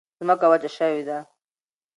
ځمکه وچه شوې ده.